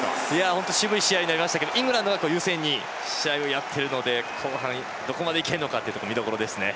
本当に渋い試合になりましたがイングランドが優勢に試合をやっているので後半、どこまでいけるのか見どころですね。